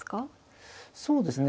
そうですね